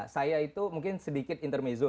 saya itu mungkin sedikit intermezo